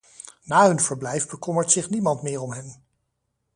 Na hun verblijf bekommert zich niemand meer om hen.